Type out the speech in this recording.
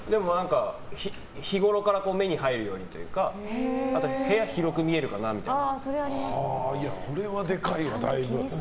日ごろから目に入るようにというか部屋広く見えるかなみたいな。